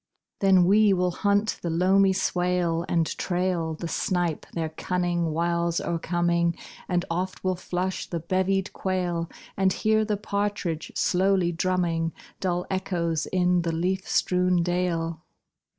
Then we will hunt the loamy swale And trail The snipe, their cunning wiles o'ercoming; And oft will flush the bevied quail, And hear the partridge slowly drumming Dull echoes in the leaf strewn dale.